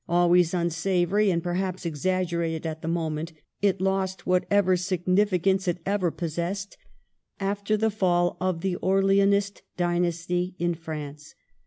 Always unsavoury, and perhaps exaggerated at the moment, it lost whatever significance it ever possessed after the fall of the Orleanist dynasty in France.